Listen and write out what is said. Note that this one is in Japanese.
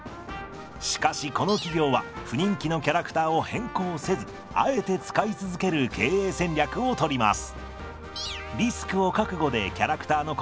しかしこの企業は不人気のキャラクターを変更せずあえて使い続ける経営戦略をとります。